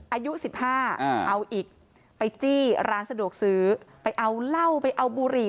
อายุ๑๕เอาอีกไปจี้ร้านสะดวกซื้อไปเอาเหล้าไปเอาบุหรี่